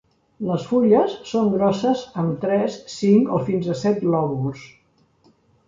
Les fulles són grosses amb tres, cinc o fins a set lòbuls.